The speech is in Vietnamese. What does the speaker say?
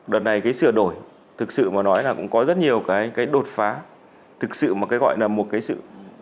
đợt này cái sửa đổi thực sự mà nói là cũng có rất nhiều cái đột phá thực sự mà cái gọi là một cái sự